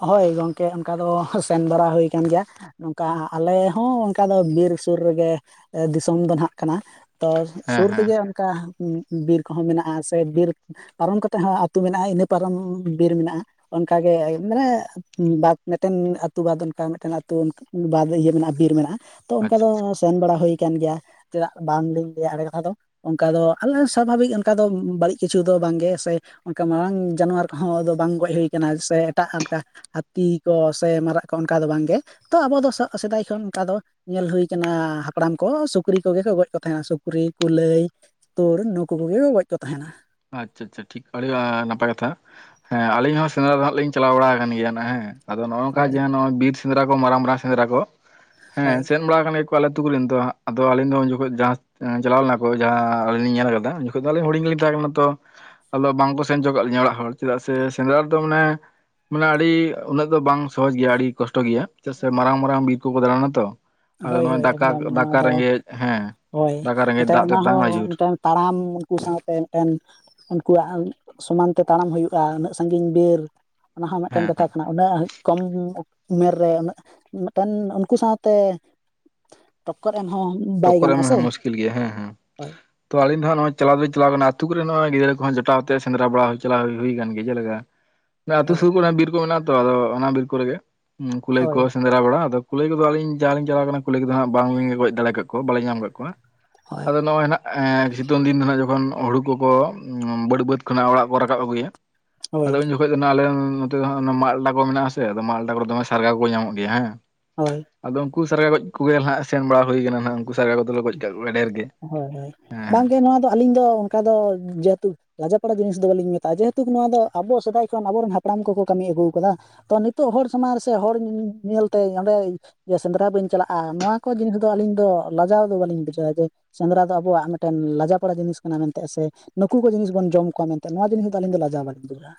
ᱦᱳᱭ ᱜᱚᱝᱠᱮ ᱚᱱᱠᱟ ᱫᱚ ᱦᱚᱭ ᱥᱮᱱ ᱵᱟᱲᱟ ᱦᱩᱭᱠᱟᱱ ᱜᱮᱭᱟ᱾ ᱱᱚᱝᱠᱟ ᱟᱞᱮ ᱦᱚᱸ ᱚᱱᱠᱟ ᱫᱚ ᱵᱤᱨ ᱥᱩᱨ ᱨᱮᱜᱮ ᱮ ᱫᱤᱥᱚᱢ ᱫᱚ ᱱᱟᱦᱟᱜ᱾ ᱠᱟᱱᱟ ᱛᱚ ᱦᱮᱸ ᱥᱩᱨ ᱦᱮᱸ ᱛᱮᱜᱮ ᱚᱱᱠᱟ ᱩᱸ-ᱩᱸ-ᱵᱤᱨ ᱠᱚᱦᱚᱸ ᱢᱮᱱᱟᱜᱼᱟ ᱥᱮ ᱵᱤᱨ ᱯᱟᱨᱚᱢ ᱠᱟᱛᱮᱜ ᱦᱚᱸ ᱟᱹᱛᱳ ᱢᱮᱱᱟᱜᱼᱟ ᱤᱱᱟᱹ ᱯᱟᱨᱚᱢ ᱵᱤᱨ ᱢᱮᱱᱟᱜᱼᱟ, ᱚᱱᱠᱟᱜ ᱜᱮ ᱢᱟᱱᱮ ᱵᱟᱫ ᱢᱤᱫᱴᱮᱱ ᱟᱛᱩ ᱵᱟᱫ ᱚᱱᱠᱟ ᱢᱤᱫᱴᱮᱱ ᱟᱛᱩ ᱚᱱᱠᱟ ᱵᱟᱫ ᱤᱭᱟᱹ ᱢᱮᱱᱟᱜᱼᱟ ᱵᱤᱨ ᱢᱮᱱᱟᱜᱼᱟ᱾ ᱛᱚ ᱚᱱᱠᱟ ᱟᱪᱪᱷᱟ ᱫᱚ ᱟᱪᱪᱷᱟ ᱥᱮᱱ ᱵᱟᱲᱟ ᱦᱩᱭ ᱟᱠᱟᱱ ᱜᱮᱭᱟ ᱪᱮᱫᱟᱜ ᱵᱟᱝ ᱞᱤᱧ ᱞᱟᱹᱭᱟ ᱮᱲᱮ ᱠᱟᱛᱷᱟ ᱫᱚ᱾ ᱚᱱᱠᱟ ᱫᱚ [UNINTELLIGIBLE] ᱥᱟᱵᱷᱟᱵᱤᱠ ᱚᱱᱠᱟ ᱫᱚ ᱵᱟᱹᱲᱤᱡ ᱠᱤᱪᱷᱩ ᱫᱚ ᱵᱟᱝ ᱜᱮ ᱥᱮ ᱚᱱᱠᱟ ᱢᱟᱨᱟᱝ ᱡᱟᱱᱣᱟᱨ ᱠᱚᱦᱚᱸ ᱟᱫᱚ ᱵᱟᱝ ᱜᱚᱡ ᱦᱩᱭ ᱠᱟᱱᱟ ᱥᱮ ᱮᱴᱟᱜ ᱚᱱᱠᱟ ᱦᱟᱹᱛᱤ ᱠᱚ ᱥᱮ ᱢᱟᱨᱟᱜ ᱠᱚ ᱚᱱᱠᱟ ᱫᱚ ᱵᱟᱝ ᱜᱮ, ᱛᱚ ᱟᱵᱚ ᱫᱚ ᱥᱚ-ᱥᱮᱫᱟᱭ ᱠᱷᱚᱱ ᱚᱱᱠᱟ ᱫᱚ ᱧᱮᱞ ᱦᱩᱭ ᱠᱟᱱᱟ ᱦᱟᱯᱲᱟᱢ ᱠᱚ ᱥᱩᱠᱨᱤ ᱠᱚᱜᱮ ᱠᱚ ᱜᱚᱡ ᱠᱚ ᱛᱟᱦᱮᱸᱜᱼᱟ᱾ ᱥᱩᱠᱨᱤ, ᱠᱩᱞᱟᱹᱭ ᱛᱳᱲ ᱱᱩᱠᱩ ᱠᱚᱜᱮ ᱜᱚᱡ ᱠᱚ ᱛᱟᱦᱮᱱᱟ᱾ ᱟᱪᱪᱷᱟ ᱟᱪᱪᱷᱟ ᱴᱷᱤᱠ ᱟᱹᱰᱤᱭᱟ ᱱᱟᱯᱟᱭ ᱠᱟᱛᱷᱟ᱾ ᱦᱮᱸ ᱟᱹᱞᱤᱧ ᱦᱚᱸ ᱥᱮᱸᱫᱽᱨᱟ ᱫᱚ ᱦᱟᱜ ᱞᱤᱧ ᱪᱟᱞᱟᱣ ᱵᱟᱲᱟ ᱠᱟᱱ ᱜᱮᱭᱟ ᱱᱟ ᱦᱮᱸ᱾ ᱟᱫᱚ ᱱᱚᱝᱠᱟ ᱦᱳᱭ ᱡᱟᱦᱟ ᱱᱚᱜᱚᱭ ᱵᱤᱨ ᱥᱮᱸᱫᱽᱨᱟ ᱠᱚ ᱢᱟᱨᱟᱝ ᱢᱟᱨᱟᱝ ᱥᱮᱸᱫᱽᱨᱟ ᱠᱚ ᱦᱳᱭ ᱦᱮᱸ ᱥᱮᱱ ᱵᱟ ᱠᱟᱱ ᱜᱮ ᱠᱚ ᱟᱞᱮ ᱟᱹᱛᱩ ᱠᱚᱨᱮᱱ ᱫᱚ ᱟᱫᱚ ᱟᱹᱞᱤᱧ ᱫᱚ ᱩᱱ ᱡᱚᱠᱷᱚᱡ ᱡᱟᱦᱟ ᱮᱸ ᱪᱟᱞᱟᱣ ᱞᱮᱱᱟ ᱠᱚ ᱡᱟᱦᱟᱸ ᱟᱹᱞᱤᱧ ᱞᱤᱧ ᱧᱮᱞ ᱠᱟᱫᱟ ᱩᱱᱚᱠᱷᱟᱡ ᱫᱚ ᱟᱹᱧᱤᱧ ᱦᱩᱰᱤᱧ ᱜᱮᱞᱤᱧ ᱛᱟᱦᱮᱸ ᱠᱟᱱᱟ᱾ ᱛᱚ ᱟᱫᱚ ᱵᱟᱝᱠᱚ ᱥᱮᱱ ᱪᱚ ᱠᱟᱜ ᱞᱤᱧᱟᱹ ᱚᱲᱟᱜ ᱦᱚᱲ ᱪᱮᱫᱟᱜ ᱥᱮ ᱥᱮᱸᱫᱽᱨᱟ ᱨᱮ ᱫᱚ ᱢᱟᱱᱮ ᱢᱟᱱᱮ ᱟᱹᱰᱤ ᱩᱱᱟᱹᱜ ᱫᱚ ᱵᱟᱝ ᱥᱚᱦᱚᱡ ᱜᱮᱭᱟ ᱟᱹᱰᱤ ᱠᱚᱥᱴᱚ ᱜᱮᱭᱟ ᱪᱮᱜ ᱥᱮ ᱢᱟᱨᱟᱝ ᱢᱟᱨᱟᱝ ᱵᱤᱨ ᱠᱚᱠᱚ ᱫᱟᱲᱟᱱᱟ ᱛᱚ᱾ ᱟᱫᱚ ᱦᱳᱭ ᱱᱚᱜᱼᱚᱭ ᱦᱳᱭ ᱫᱟᱠᱟ ᱮᱠᱫᱚᱢ ᱱᱚᱣᱟ ᱫᱟᱠᱟ ᱫᱚ ᱨᱮᱸᱜᱮᱡ ᱦᱮᱸ ᱦᱳᱭ ᱫᱟᱠᱟ ᱨᱮᱸᱜᱮᱡ ᱢᱤᱫᱴᱮᱱ ᱫᱟᱜ ᱚᱱᱟ ᱛᱮᱛᱟᱝ ᱦᱚᱸ ᱟᱹᱭᱩᱨ ᱢᱤᱫᱴᱮᱱ ᱛᱟᱲᱟᱢ ᱩᱱᱠᱩ ᱥᱚᱸᱜᱮᱛᱮ ᱢᱤᱫᱴᱮᱱ ᱩᱱᱠᱩᱣᱟᱜ ᱥᱚᱢᱟᱱ ᱛᱮ ᱛᱟᱲᱟᱢ ᱦᱩᱭᱩᱜᱼᱟ ᱩᱱᱟᱹᱜ ᱥᱟᱺᱜᱤᱧ ᱵᱮᱨ᱾ ᱚᱱᱟ ᱦᱚᱸ ᱢᱮᱜᱴᱮᱱ ᱦᱮᱸ ᱦᱮᱸ ᱠᱟᱛᱷᱟ ᱠᱟᱱᱟ ᱚᱱᱟ ᱩᱸᱦᱟᱹᱜ ᱠᱚᱢ ᱩᱢᱮᱨ ᱨᱮ ᱩᱱᱟᱹᱜ ᱢᱮᱜᱴᱮᱱ ᱩᱱᱠᱩ ᱥᱟᱶᱛᱮ ᱴᱚᱠᱠᱚᱨ ᱮᱢ ᱦᱚᱸ ᱵᱟᱭ ᱜᱟᱱᱚᱜᱼᱟ ᱥᱮ᱾ ᱠᱤᱞ ᱜᱮᱭᱟ ᱦᱮᱸ ᱦᱮᱸ᱾ ᱦᱳᱭ ᱛᱚ ᱟᱞᱤᱧ ᱫᱚ ᱦᱟᱸᱜ ᱱᱚᱸᱜᱼᱚᱭ ᱪᱟᱞᱟᱣ ᱫᱚᱞᱤᱧ ᱪᱟᱞᱟᱣ ᱠᱟᱱᱟ ᱟᱛᱩ ᱠᱚᱨᱮ ᱱᱚ ᱚᱭ ᱜᱤᱫᱽᱨᱟᱹ ᱠᱚᱦᱚ ᱡᱚᱴᱟᱣ ᱟᱛᱮ ᱥᱮᱫᱽᱨᱟ ᱵᱟᱲᱟ ᱦᱩᱭ ᱪᱟᱞᱟᱣ ᱦᱩᱭ ᱠᱟᱱ ᱜᱮᱭᱟ᱾ ᱡᱮᱞᱮᱠᱟ [INAUDIBLE] ᱡᱟ ᱟᱹᱛᱩ ᱥᱩᱨ ᱠᱚᱨᱮ ᱵᱤᱨ ᱠᱚ ᱢᱮᱱᱟᱜᱼᱟ ᱛᱚ ᱟᱫᱚ ᱚᱱᱟ ᱵᱤᱨ ᱠᱚᱨᱮ ᱜᱮ ᱠᱩᱞᱟᱹᱭ ᱦᱳᱭ ᱠᱚ ᱥᱮᱸ ᱥᱮᱸᱫᱽᱨᱟ ᱵᱟᱲᱟ ᱟᱫᱚ ᱠᱩᱞᱟᱹᱭ ᱠᱚᱫᱚ ᱟᱞᱤᱧ ᱡᱟ ᱞᱤᱧ ᱪᱟᱞᱟᱣ ᱠᱟᱱᱟ ᱠᱩᱞᱟᱹᱭ ᱠᱚᱫᱚ ᱦᱟᱸᱜ ᱵᱟᱝ ᱜᱚᱡ ᱫᱟᱲᱮ ᱠᱟᱜ ᱠᱚ ᱵᱟᱞᱮ ᱧᱟᱢ ᱠᱟᱜ ᱠᱚᱣᱟ᱾ ᱦᱳᱭ ᱟᱫᱚ ᱱᱚᱜᱼᱚᱭ ᱱᱟᱦᱟᱜ ᱮᱸ ᱥᱤᱛᱩᱝ ᱫᱤᱱ ᱫᱚ ᱦᱟᱸᱜ ᱡᱚᱠᱷᱚᱱ ᱦᱩᱲᱩ ᱠᱚᱠᱚ ᱵᱟᱹᱲᱩ ᱵᱟᱹᱫᱽ ᱠᱷᱚᱱᱟᱜ ᱚᱲᱟᱜ ᱠᱚ ᱨᱟᱠᱟᱵ ᱟᱹᱜᱩᱭᱟ᱾ ᱦᱳᱭ [UNINTELLIGIBLE] ᱠᱷᱚᱡ ᱫᱚ ᱟᱞᱮ ᱱᱚᱛᱮ ᱫᱚ ᱢᱟᱞᱴᱟ ᱠᱚ ᱢᱮᱱᱟᱜ ᱟᱥᱮ ᱢᱟᱞᱴᱟ ᱠᱚᱨᱮᱫᱚ ᱫᱚᱢᱮ ᱥᱟᱨᱜᱟ ᱠᱚ ᱧᱟᱢᱚᱜ ᱜᱮᱭᱟ ᱦᱮᱸ ᱦᱳᱭ ᱟᱫᱚ ᱩᱱᱠᱩ ᱥᱟᱨᱜᱟ ᱜᱚᱡ ᱠᱚᱜᱮ ᱱᱟᱜ ᱥᱮᱱ ᱵᱟᱲᱟ ᱦᱩᱭ ᱠᱟᱱᱟ ᱱᱟᱜ ᱩᱱᱠᱩ ᱥᱟᱨᱜᱟ ᱜᱚᱡ ᱠᱚᱫᱚᱞᱮ ᱠᱟᱜ ᱠᱚᱣᱟ ᱰᱷᱮᱨ ᱜᱮ ᱦᱳᱭ ᱦᱳᱭ ᱵᱟᱝᱜᱮ ᱱᱚᱣᱟ ᱫᱚ ᱟᱹᱞᱤᱧ ᱫᱚ ᱚᱱᱠᱟ ᱫᱚ ᱡᱮᱦᱮᱛᱩ ᱞᱟᱡᱟ ᱯᱟᱲᱟ ᱡᱤᱱᱤᱥ ᱫᱚ ᱵᱟᱹᱞᱤᱧ ᱢᱮᱛᱟᱜᱼᱟ ᱡᱮᱦᱮᱛᱩ ᱱᱚᱣᱟ ᱫᱚ ᱟᱵᱚ ᱥᱮᱫᱟᱭ ᱠᱷᱚᱱ ᱟᱵᱚᱨᱮᱱ ᱦᱟᱯᱲᱟᱢ ᱠᱚᱠᱚ ᱠᱟᱹᱢᱤ ᱟᱹᱜᱩ ᱟᱠᱟᱫᱟ ᱛᱚ ᱱᱤᱛᱚᱜ ᱦᱚᱲ ᱥᱟᱢᱟᱝ ᱥᱮ ᱦᱚᱲ ᱧᱮᱞᱛᱮ ᱚᱸᱰᱮ ᱡᱮ ᱥᱮᱸᱫᱽᱨᱟ ᱵᱟᱹᱧ ᱪᱟᱞᱟᱜᱼᱟ ᱱᱚᱣᱟ ᱠᱚ ᱡᱤᱱᱤᱥ ᱫᱚ ᱟᱹᱞᱤᱧ ᱫᱚ ᱞᱟᱡᱟᱣ ᱫᱚ ᱵᱟᱹᱞᱤᱧ ᱵᱩᱡᱷᱟᱹᱣᱟ ᱡᱮ ᱥᱮᱸᱫᱽᱨᱟ ᱫᱚ ᱟᱵᱚᱣᱟᱜ ᱢᱤᱫᱴᱮᱱ ᱞᱟᱡᱟ ᱯᱟᱲᱟ ᱡᱤᱱᱤᱥ ᱠᱟᱱᱟ ᱢᱮᱱᱛᱮ ᱥᱮ ᱱᱩᱠᱩ ᱠᱚ ᱡᱤᱱᱤᱥ ᱵᱚᱱ ᱡᱚᱢ ᱠᱚᱣᱟ ᱢᱮᱱᱛᱮ ᱱᱚᱣᱟ ᱡᱤᱱᱤᱥ ᱫᱚ ᱟᱹᱞᱤᱧ ᱫᱚ ᱞᱟᱡᱟ ᱦᱚᱸ ᱵᱟᱹᱞᱤᱧ ᱵᱩᱡᱼᱟ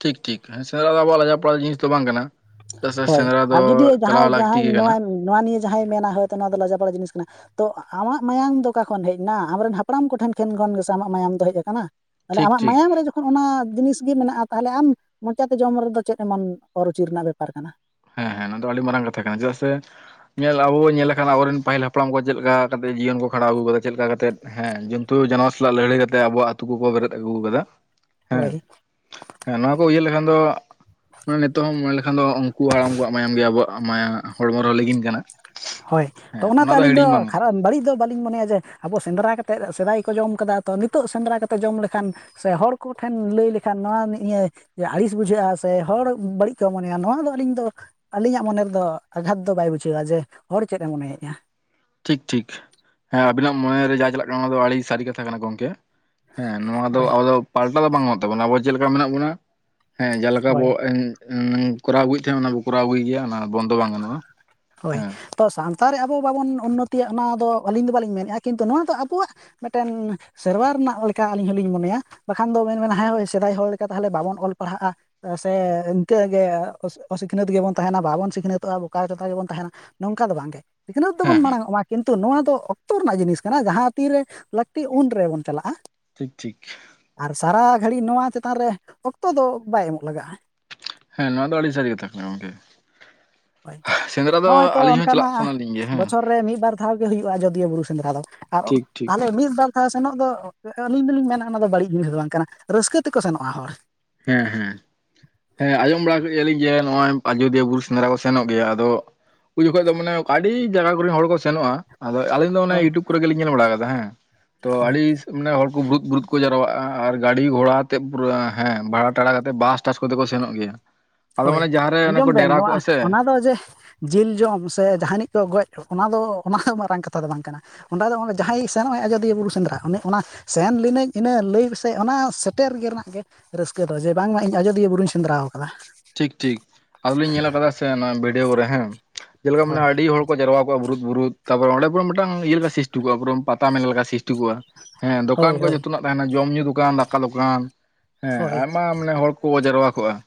ᱴᱷᱤᱠ ᱴᱷᱤᱠ ᱦᱮᱸ ᱥᱮᱸᱫᱽᱨᱟ ᱫᱚ ᱟᱵᱚᱣᱟᱜ ᱞᱟᱡᱟ ᱯᱟᱲᱟᱜ ᱡᱤᱱᱤᱥ ᱫᱚ ᱵᱟᱝ ᱠᱟᱱᱟ ᱪᱮᱫᱟᱜ ᱥᱮ ᱦᱳᱭ ᱥᱮᱸᱫᱽᱨᱟ ᱫᱚ ᱟᱨ ᱡᱩᱫᱤ ᱪᱟᱞᱟᱣ ᱡᱟᱦᱟᱸᱭ ᱞᱟᱹᱠᱛᱤ ᱡᱟᱦᱟᱸᱭ ᱜᱮ ᱠᱟᱱᱟ ᱱᱚᱣᱟ ᱱᱚᱣᱟ ᱱᱤᱭᱟᱹ ᱡᱟᱦᱟᱸᱭ ᱢᱮᱱᱟ ᱦᱳᱭᱛᱚ ᱱᱚᱣᱟ ᱫᱚ ᱞᱟᱡᱟ ᱯᱟᱲᱟᱜ ᱡᱤᱱᱤᱥ ᱠᱟᱱᱟ ᱛᱚ ᱟᱢᱟᱜ ᱢᱟᱭᱟᱢ ᱫᱚ ᱚᱠᱟ ᱠᱷᱚᱱ ᱦᱮᱡ ᱮᱱᱟ ᱟᱢᱨᱮᱱ ᱦᱟᱯᱲᱟᱢ ᱠᱚᱴᱷᱮᱱ ᱴᱷᱮᱱ ᱠᱷᱚᱱ ᱜᱮᱥᱮ ᱟᱢᱟᱜ ᱢᱟᱭᱟᱢ ᱫᱚ ᱦᱮᱡ ᱟᱠᱟᱱᱟ ᱛᱟᱦᱚᱞᱮ ᱴᱷᱤᱠ ᱟᱢᱟᱜ ᱴᱷᱤᱠ ᱢᱟᱭᱟᱢ ᱨᱮ ᱡᱚᱠᱷᱚᱱ ᱚᱱᱟ ᱡᱤᱱᱤᱥ ᱜᱮ ᱢᱮᱱᱟᱜᱼᱟ ᱛᱟᱦᱚᱞᱮ ᱟᱢ ᱢᱚᱪᱟᱛᱮ ᱡᱚᱢ ᱨᱮᱫᱚ ᱪᱮᱫ [UNINTELLIGIBLE] [UNINTELLIGIBLE] ᱵᱮᱯᱟᱨ ᱠᱟᱱᱟ ᱦᱮᱸ ᱦᱮᱸ ᱱᱚᱣᱟ ᱫᱚ ᱟᱹᱰᱤ ᱢᱟᱨᱟᱝ ᱠᱟᱛᱷᱟ ᱠᱟᱱᱟ ᱪᱮᱫᱟᱜ ᱥᱮ ᱧᱮᱞ ᱟᱵᱚ ᱵᱚ ᱧᱮᱞᱮᱠᱷᱟᱱ ᱟᱵᱚᱨᱮᱱ ᱯᱟᱹᱦᱤᱞ ᱦᱟᱯᱲᱟᱢ ᱠᱚ ᱪᱮᱫ ᱞᱮᱠᱟ ᱠᱟᱛᱮᱫ ᱡᱤᱭᱚᱱ ᱠᱚ ᱠᱷᱟᱸᱰᱟᱣ ᱟᱹᱜᱩ ᱟᱠᱟᱫᱟ ᱪᱮᱫ ᱞᱮᱠᱟ ᱠᱟᱛᱮᱫ ᱦᱮᱸ ᱡᱚᱱᱛᱩ ᱡᱟᱱᱣᱟᱨ ᱥᱟᱞᱟᱜ ᱞᱟᱹᱲᱦᱟᱹᱭ ᱠᱟᱛᱮ ᱟᱵᱚ ᱟᱛᱩ ᱠᱚᱠᱚ ᱵᱮᱨᱮᱫ ᱟᱹᱜᱩ ᱟᱠᱟᱫᱟ ᱦᱳᱭ ᱦᱮᱸ ᱱᱚᱣᱟ ᱠᱚ ᱩᱭᱟᱹᱦᱟᱹᱨ ᱞᱮᱠᱷᱟᱱ ᱫᱚ ᱢᱟᱱᱮ ᱱᱤᱛᱚᱜ ᱦᱚᱸ ᱢᱮᱱ ᱞᱮᱠᱷᱟᱱ ᱫᱚ ᱩᱱᱠᱩᱣᱟᱜ ᱩᱱᱠᱩ ᱭᱟᱜ ᱢᱟᱭᱟᱢ ᱜᱮ ᱟᱵᱚᱣᱟᱜ ᱢᱟᱭᱟ ᱦᱚᱲᱢᱚ ᱨᱮ ᱞᱤᱜᱤᱱ ᱠᱟᱱᱟ ᱦᱳᱭ ᱛᱚ ᱦᱮᱸ ᱚᱱᱟᱛᱮ ᱚᱱᱟ ᱟᱹᱞᱤᱧ ᱫᱚ ᱦᱤᱲᱤᱧ ᱵᱟᱝ ᱜᱟᱱᱚᱜᱼᱟ᱾ ᱠᱷᱟᱨᱟ ᱵᱟᱹᱲᱤᱡ ᱫᱚ ᱵᱟ- ᱞᱤᱧ ᱢᱚᱱᱮᱭᱟ ᱡᱮ ᱟᱵᱚ ᱥᱮᱸᱫᱽᱨᱟ ᱠᱟᱛᱮᱫ ᱥᱮᱫᱟᱭ ᱠᱚ ᱡᱚᱢ ᱟᱠᱟᱫᱟ ᱛᱚ ᱱᱤᱛᱚᱜ ᱥᱮᱸᱫᱽᱨᱟ ᱠᱟᱛᱮᱫ ᱡᱚᱢ ᱞᱮᱠᱷᱟᱱ ᱥᱮ ᱦᱚᱲ ᱠᱚᱴᱷᱮᱱ ᱞᱟᱹᱭ ᱞᱮᱠᱷᱟᱱ ᱱᱚᱣᱟ ᱤᱭᱟᱹ ᱟᱹᱲᱤᱥ ᱵᱩᱡᱷᱟᱹᱜᱼᱟ ᱥᱮ ᱦᱚᱲ ᱵᱟᱹᱲᱤᱡ ᱠᱚ ᱢᱚᱱᱮᱭᱟ ᱱᱚᱣᱟ ᱫᱚ ᱟᱹᱞᱤᱧ ᱫᱚ ᱟᱹᱞᱤᱧᱟᱜ ᱢᱚᱱᱮ ᱨᱮᱫᱚ ᱟᱜᱷᱟᱫ ᱫᱚ ᱵᱟᱭ ᱵᱩᱡᱷᱟᱹᱣᱼᱟ ᱡᱮ ᱦᱚᱲ ᱪᱮᱫ ᱮᱢ ᱢᱚᱱᱮᱭᱮᱜᱼᱟ ᱴᱷᱤᱠ ᱴᱷᱤᱠ ᱦᱮᱸ ᱟᱵᱤᱱᱟᱜ ᱢᱚᱱᱮᱨᱮ ᱡᱟ ᱪᱟᱞᱟᱜ ᱠᱟᱱᱟ ᱚᱱᱟ ᱫᱚ ᱟᱹᱰᱤ ᱥᱟᱹᱨᱤ ᱠᱟᱛᱷᱟ ᱠᱟᱱᱟ ᱜᱚᱝᱠᱮ ᱦᱮᱸ, ᱱᱚᱣᱟ ᱫᱚ ᱦᱳᱭ ᱟᱵᱚ ᱫᱚ ᱯᱟᱞᱴᱟᱣ ᱫᱚ ᱵᱟᱝ ᱛᱟᱵᱚᱱᱟ ᱾ ᱟᱵᱚ ᱪᱮᱫ ᱞᱮᱠᱟ ᱢᱮᱱᱟᱜ ᱵᱚᱱᱟ? ᱦᱮᱸ, ᱡᱮᱠᱟ ᱦᱳᱭ ᱵᱚ ᱤ ᱧᱤ ᱠᱚᱨᱟᱣ ᱟᱹᱜᱩᱭᱮᱫ ᱛᱟᱦᱮᱸᱫ ᱚᱱᱟ ᱵᱚ ᱠᱚᱨᱟᱣ ᱟᱹᱜᱩᱭ ᱜᱮᱭᱟ ᱾ ᱵᱚᱱᱫᱚ ᱵᱟᱝ ᱜᱟᱱᱚᱜᱼᱟ ᱾ ᱦᱳᱭ ᱦᱮᱸ ᱾ ᱛᱚ ᱥᱟᱶᱛᱟ ᱨᱮ ᱟᱵᱚ ᱵᱟᱵᱚᱱ ᱩᱱᱱᱚᱛᱤᱭᱟ ᱚᱱᱟᱫᱚ ᱟᱹᱞᱤᱧ ᱫᱚ ᱵᱟᱹᱞᱤᱧ ᱢᱮᱱᱮᱜᱼᱟ, ᱠᱤᱱᱛᱩ ᱱᱚᱣᱟ ᱫᱚ ᱟᱵᱚᱣᱟᱜ ᱢᱤᱫᱴᱮᱱ ᱥᱮᱨᱣᱟ ᱨᱮᱱᱟᱜ ᱞᱮᱠᱟ ᱟᱹᱞᱤᱧ ᱦᱚᱸᱞᱤᱧ ᱢᱚᱱᱮᱭᱟ, ᱵᱟᱠᱷᱟᱱ ᱫᱚ ᱢᱮᱱ ᱵᱮᱱ ᱦᱮ [UNINTELLIGIBLE] ᱥᱮᱫᱟᱭ ᱦᱚᱲ ᱞᱮᱠᱟ ᱛᱟᱦᱚᱞᱮ ᱵᱟᱵᱚᱱ ᱚᱞ ᱯᱟᱲᱦᱟᱜᱼᱟ ᱾ ᱥᱮ ᱤᱱᱠᱟᱹᱜ ᱜᱮ ᱚᱥ ᱚᱥᱤᱠᱷᱱᱟᱹᱛ ᱜᱮᱵᱚᱱ ᱛᱟᱦᱮᱱᱟ ᱵᱟᱵᱚᱱ ᱥᱤᱠ- ᱥᱤᱠᱷᱱᱟᱹᱛᱚᱜᱼᱟ ᱵᱚᱠᱟ ᱡᱚᱛᱟ ᱜᱮᱵᱚᱱ ᱛᱟᱦᱮᱱᱟ ᱱᱚᱝᱠᱟ ᱫᱚ ᱵᱟᱝᱜᱮ ᱥᱤᱠᱷᱱᱟᱹᱛ ᱛᱚᱵᱚᱱ ᱢᱟᱲᱟᱝᱚᱢᱟ ᱾ ᱠᱤᱱ- ᱛᱩ ᱱᱚᱣᱟ ᱫᱚ ᱚᱠᱛᱚ ᱨᱮᱱᱟᱜ ᱡᱤᱱᱤᱥ ᱠᱟᱱᱟ, ᱡᱟᱦᱟᱸ ᱛᱤᱨᱮ ᱞᱟᱹᱠᱛᱤ ᱩᱱ ᱨᱮᱵᱚᱱ ᱪᱟᱞᱟᱜᱼᱟ ᱾ ᱴᱷᱤᱠ ᱴᱷᱤᱠ ᱾ ᱟᱨ ᱥᱟᱨᱟ ᱜᱷᱟᱹᱲᱤᱡ ᱱᱚᱣᱟ ᱪᱮᱛᱟᱱ ᱨᱮ ᱚᱠᱛᱚ ᱫᱚ ᱵᱟᱭ ᱮᱢᱚᱜ ᱞᱟᱜᱟᱜᱼᱟ ᱾ ᱦᱮᱸ, ᱱᱚᱣᱟ ᱫᱚ ᱟᱹᱰᱤ ᱥᱟᱹᱨᱤ ᱠᱟᱛᱷᱟ ᱠᱟᱱᱟ ᱜᱚᱝᱠᱮ ᱾ ᱦᱳᱭ, ᱱᱚᱜᱼᱚᱭ ᱛᱚ ᱟᱹᱞᱤᱧ ᱦᱚᱸ ᱪᱟᱞᱟᱜ ᱚᱱᱠᱟᱱᱟᱜ ᱥᱟᱱᱟᱞᱤᱧ ᱜᱮᱭᱟ ᱦᱮᱸ ᱵᱚᱪᱷᱚᱨ ᱨᱮ ᱢᱤᱫ ᱵᱟᱨ [UNINTELLIGIBLE] ᱜᱮ ᱦᱩᱭᱩᱜᱼᱟ ᱟᱡᱳᱫᱤᱭᱟᱹ ᱵᱩᱨᱩ ᱥᱮᱸᱫᱽᱨᱟ ᱫᱚ ᱾ ᱴᱷᱤᱠ ᱴᱷᱤᱠ [UNINTELLIGIBLE] ᱚ ᱥᱮᱱᱚᱜ ᱫᱚ ᱟᱹᱞᱤᱧ ᱫᱚᱞᱤᱧ ᱢᱮᱱᱟ ᱚᱱᱟ ᱫᱚ ᱵᱟᱹᱲᱤᱡ ᱡᱤᱱᱤᱥ ᱫᱚ ᱵᱟᱝ ᱠᱟᱱᱟ ᱾ ᱨᱟᱹᱥᱠᱟᱹ ᱛᱮᱠᱚ ᱥᱮᱱᱚᱜᱼᱟ ᱦᱚᱲ ᱾ ᱦᱮᱸ ᱦᱮᱸ ᱾ ᱦᱮᱸ ᱟᱸᱡᱚᱢ ᱵᱟᱲᱟ ᱠᱟᱜ ᱭᱮᱭᱟᱞᱤᱧ ᱡᱮ ᱱᱚᱣᱟ ᱟᱡᱚᱫᱤᱭᱟᱹ ᱵᱩᱨᱩ ᱥᱮᱸᱫᱽᱨᱟ ᱠᱚ ᱥᱮᱱᱚᱜ ᱜᱮᱭᱟ ᱟᱫᱚ ᱩᱱ ᱡᱚᱠᱷᱚᱱ ᱫᱚ ᱢᱟᱱᱮ ᱟᱹᱰᱤ ᱡᱟᱭᱜᱟ ᱠᱚᱨᱮᱱ ᱦᱚᱲ ᱠᱚ ᱥᱮᱱᱚᱜᱼᱟ ᱾ ᱟᱫᱚ ᱟᱹᱞᱤᱧ ᱫᱚ ᱚᱱᱮ ᱦᱳᱭ ᱤᱭᱩᱴᱩᱵᱽ ᱠᱚᱨᱮ ᱜᱮᱞᱤᱧ ᱧᱮᱞ ᱵᱟᱲᱟ ᱟᱠᱟᱫᱟ ᱦᱮᱸ ᱾ ᱛᱚ ᱦᱳᱭ ᱟᱹᱰᱤ ᱢᱟᱱᱮ ᱦᱚᱲᱠᱚ ᱵᱩᱨᱩᱫ ᱵᱩᱨᱩᱫ ᱠᱚ ᱡᱟᱨᱣᱟᱜᱼᱟ ᱟᱨ ᱜᱟᱹᱰᱤ ᱜᱷᱚᱲᱟ ᱟᱛᱮᱫ ᱯᱩᱨᱟᱹ ᱦᱮᱸ ᱵᱷᱟᱲᱟ ᱴᱟᱲᱟ ᱠᱟᱛᱮ ᱵᱟᱥ ᱴᱟᱥ ᱠᱚᱛᱮ ᱠᱚ ᱥᱮᱱᱚᱜ ᱜᱮᱭᱟ ᱾ ᱦᱳᱭ, ᱟᱸᱡᱚᱢ ᱵᱮᱱ ᱱᱚᱣᱟ ᱚᱱᱟ ᱫᱚ ᱡᱮ, ᱡᱤᱞ ᱡᱚᱢ ᱥᱮ ᱡᱟᱦᱟᱱᱤᱡ ᱠᱚ ᱜᱚᱡ ᱚᱱᱟ ᱫᱚ ᱚᱱᱟ ᱫᱚ ᱢᱟᱨᱟᱝ ᱠᱟᱛᱷᱟ ᱫᱚ ᱵᱟᱝ ᱠᱟᱱᱟ ᱾ ᱚᱸᱰᱮ ᱫᱚ ᱚᱱᱮ ᱡᱟᱦᱟᱸᱭ ᱥᱮᱱᱚᱜ ᱟᱣ ᱟᱡᱳᱫᱤᱭᱟᱹ ᱵᱩᱨᱩ ᱥᱮᱸᱫᱽᱨᱟ ᱩᱱᱤ ᱚᱱᱟ ᱥᱮᱱ ᱞᱤᱱᱟᱹᱧ ᱤᱱᱟᱹ ᱞᱟᱹᱭ ᱥᱮ ᱚᱱᱟ ᱥᱮᱴᱮᱨ ᱜᱮ ᱨᱮᱱᱟᱜ ᱜᱮ, ᱨᱟᱹᱥᱠᱟᱹ ᱫᱚ ᱡᱮ ᱵᱟᱝᱢᱟ ᱤᱧ ᱟᱡᱚᱫᱤᱭᱟᱹ ᱵᱩᱨᱩᱧ ᱥᱮᱸᱫᱽᱨᱟ ᱟᱠᱟᱫᱟ ᱾ ᱴᱷᱤᱠ ᱴᱷᱤᱠ ᱟᱫᱚᱞᱤᱧ ᱧᱮᱞ ᱟᱠᱟᱫᱟ ᱥᱮ ᱱᱚᱣᱟ ᱵᱷᱤᱰᱭᱳ ᱠᱚᱨᱮ ᱦᱮᱸ ᱡᱮᱞᱮᱠᱟ ᱢᱟᱱᱮ ᱦᱳᱭ ᱟᱹᱰᱤ ᱦᱚᱲ ᱾ ᱠᱚ ᱡᱟᱨᱣᱟ ᱠᱚᱜᱼᱟ ᱵᱩᱨᱩᱫ ᱵᱩᱨᱩᱫ ᱛᱟᱨᱯᱚᱨ ᱚᱸᱰᱮ ᱠᱷᱚᱱ ᱢᱤᱫᱴᱟᱝ ᱤᱭᱟᱹ ᱞᱮᱠᱟ ᱥᱤᱥᱴᱤ ᱠᱚᱜᱼᱟ ᱯᱩᱨᱟᱹ ᱯᱟᱛᱟ ᱢᱮᱱ ᱞᱮᱠᱟ ᱥᱤᱥᱴᱤ ᱠᱚᱜᱼᱟ ᱾ ᱦᱮᱸ, ᱫᱚᱠᱟᱱ ᱦᱳᱭ ᱠᱚ ᱦᱳᱭ ᱡᱚᱛᱚᱱᱟᱜ ᱛᱟᱦᱮᱱᱟ ᱾ ᱡᱚᱢ ᱧᱩ ᱫᱚᱠᱟᱱ, ᱫᱟᱠᱟ ᱫᱚᱠᱟᱱ ᱦᱮᱸ ᱦᱳᱭ ᱟᱭᱢᱟ ᱢᱟᱱᱮ ᱦᱚᱲ ᱾ ᱠᱚ ᱡᱟᱨᱣᱟ ᱠᱚᱜᱼᱟ ᱾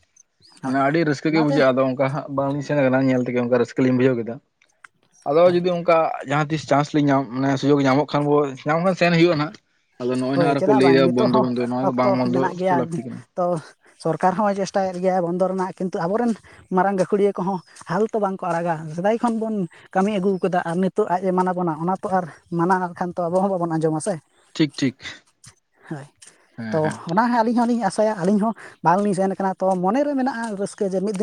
ᱢᱟᱱᱮ ᱦᱳᱭ ᱟᱹᱰᱤ ᱨᱟᱹᱥᱠᱟᱹ ᱜᱮ ᱚᱱᱟᱛᱮ ᱵᱩᱡᱷᱟᱹᱜᱼᱟ ᱟᱫᱚ ᱚᱱᱠᱟ ᱦᱟᱸ ᱵᱟᱝᱞᱤᱧ ᱥᱮᱱ ᱟᱠᱟᱱᱟ, ᱧᱮᱞ ᱛᱮᱜᱮ ᱚᱱᱠᱟ ᱨᱟᱹᱥᱠᱟᱹᱞᱤᱧ ᱵᱩᱡᱷᱟᱹᱣ ᱠᱮᱫᱟ ᱾ ᱟᱫᱚ ᱦᱳᱭ ᱡᱩᱫᱤ ᱚᱱᱠᱟ ᱡᱟᱦᱟᱸ ᱛᱤᱥ ᱪᱟᱱᱥ ᱞᱮ ᱧᱟᱢ ᱢᱟᱱᱮ ᱥᱩᱡᱳᱜ ᱧᱟᱢᱚᱜ ᱠᱷᱟᱱ ᱵᱚᱞᱮ ᱧᱟᱢ ᱠᱷᱟᱱ ᱥᱮᱱ ᱦᱩᱭᱩᱜᱼᱟ ᱦᱟᱸᱜ ᱟᱫᱚ ᱱᱚᱜᱼᱚᱭ ᱱᱟᱜ ᱦᱳᱭ ᱟᱨᱠᱚ ᱪᱮᱫᱟᱜ ᱵᱟᱝ ᱞᱟᱹᱭᱮᱫᱟ ᱱᱤᱛᱚᱜ ᱵᱚᱱᱫᱚ ᱦᱚᱸ ᱵᱚᱱᱫᱚ ᱾ ᱱᱚᱣᱟ ᱫᱚ ᱚᱠᱛᱚ ᱵᱟᱝ ᱵᱚᱱᱫᱚ ᱢᱮᱱᱟᱜ ᱚᱪᱚ ᱜᱮᱭᱟ ᱞᱟᱹᱠᱛᱤ ᱠᱟᱱᱟ ᱾ ᱛᱚ ᱥᱚᱨᱠᱟᱨ ᱦᱚᱸᱭ ᱪᱮᱥᱴᱟᱭᱮᱫ ᱜᱮᱭᱟᱭ ᱵᱚᱱᱫᱚ ᱨᱮᱱᱟᱜ ᱾ ᱠᱤᱱᱛᱩ ᱟᱵᱚᱨᱮᱱ ᱢᱟᱨᱟᱝ ᱜᱟᱹᱠᱷᱩᱲᱤᱭᱟᱹ ᱠᱚᱦᱚᱸ ᱦᱟᱞ ᱛᱚ ᱵᱟᱝᱠᱚ ᱟᱲᱟᱜᱟ ᱥᱮᱫᱟᱭ ᱠᱷᱚᱱ ᱵᱚᱱ ᱠᱟᱹᱢᱤ ᱟᱹᱜᱩᱣ ᱟᱠᱟᱫᱟ ᱟᱨ ᱱᱤᱛᱚᱜ ᱟᱡ ᱮ ᱢᱟᱱᱟ ᱵᱚᱱᱟ ᱚᱱᱟ ᱛᱚ ᱟᱨ ᱢᱟᱱᱟᱣ ᱠᱷᱟᱱ ᱛᱚ ᱟᱵᱚ ᱦᱚᱸ ᱵᱟᱵᱚᱱ ᱟᱸᱡᱚᱢᱟ ᱥᱮ ᱾ ᱴᱷᱤᱠ ᱴᱷᱤᱠ ᱦᱳᱭ ᱦᱮᱸ ᱦᱮᱸ ᱛᱚ ᱚᱱᱟ ᱦᱚᱸ ᱟᱹᱞᱤᱧ ᱦᱚᱸ ᱞᱤᱧ ᱟᱥᱚᱜ ᱜᱮᱭᱟ ᱟᱹᱞᱤᱧ ᱦᱚᱸ ᱵᱟᱝᱞᱤᱧ ᱥᱮᱱ ᱟᱠᱟᱱᱟ ᱛᱚ ᱢᱚᱱᱮᱨᱮ ᱢᱮᱱᱟᱜᱼᱟ ᱨᱟᱹᱥᱠᱟᱹ ᱾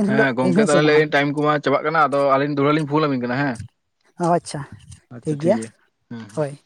ᱦᱮᱸ ᱜᱚᱝᱠᱮ ᱛᱟᱦᱚᱞᱮ ᱴᱟᱭᱤᱢ ᱠᱚᱢᱟ ᱪᱟᱵᱟᱜ ᱠᱟᱱᱟ ᱟᱫᱚ ᱟᱹᱞᱤᱧ ᱫᱚᱲᱦᱟ ᱞᱤᱧ ᱯᱷᱳᱱ ᱟᱵᱤᱱ ᱠᱟᱱᱟ ᱾ ᱦᱮᱸ ᱟᱪᱪᱷᱟ ᱾ ᱟᱪᱪᱷᱟ ᱴᱷᱤᱠ ᱜᱮᱭᱟ ᱦᱮᱸ ᱦᱮᱸ ᱦᱳᱭ ᱾